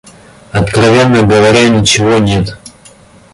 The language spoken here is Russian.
Откровенно говоря, ничего нет.